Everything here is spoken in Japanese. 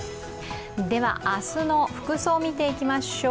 では、明日の服装見ていきましょう。